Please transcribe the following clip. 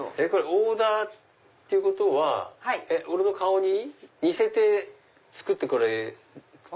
オーダーっていうことは俺の顔に似せて作ってうん？